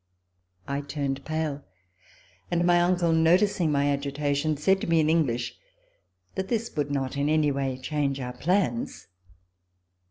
I turned pale, and my uncle, noticing my agitation, said to me in English that this would not in any way change our plans.